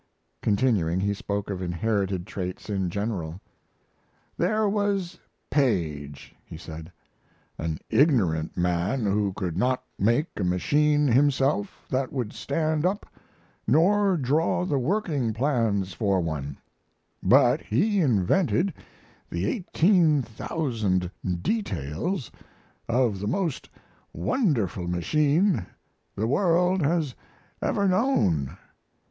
Continuing, he spoke of inherited traits in general. "There was Paige," he said; "an ignorant man who could not make a machine himself that would stand up, nor draw the working plans for one; but he invented the eighteen thousand details of the most wonderful machine the world has ever known.